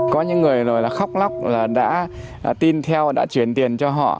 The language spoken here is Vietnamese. có những người rồi là khóc lóc là đã tin theo đã chuyển tiền cho họ